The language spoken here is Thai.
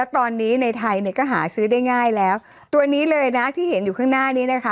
ตอนนี้ในไทยก็หาซื้อได้ง่ายตัวนี้เลยที่เห็นอยู่ข้างหน้านี้